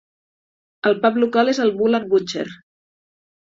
El pub local és el Bull and Butcher.